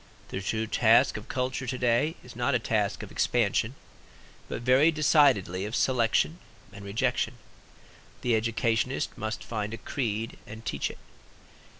The true task of culture to day is not a task of expansion, but very decidedly of selection and rejection. The educationist must find a creed and teach it.